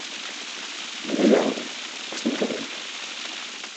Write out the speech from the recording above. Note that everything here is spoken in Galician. Mirei a hora: as cinco e vinte.